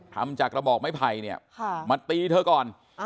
ทำจากกระบอกไม้ไผ่เนี่ยมาตีเธอก่อน